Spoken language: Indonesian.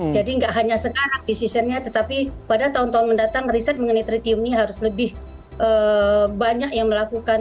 jadi tidak hanya sekarang decision nya tetapi pada tahun tahun mendatang riset mengenai tritium ini harus lebih banyak yang melakukan